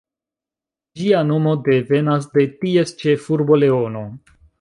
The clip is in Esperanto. Ĝia nomo devenas de ties ĉefurbo Leono.